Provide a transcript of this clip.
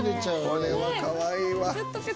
これはかわいいわ。